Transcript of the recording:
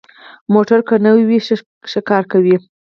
موټر که نوي وي، ښه کار کوي.